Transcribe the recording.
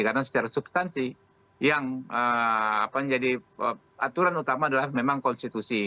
karena secara substansi aturan utama adalah memang konstitusi